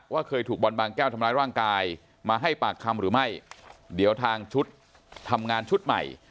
เคยถูกบอลบางแก้วทำร้ายร่างกายมาให้ปากคำหรือไม่เดี๋ยวทางชุดทำงานชุดใหม่